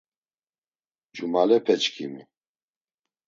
Cumalepeçkimi...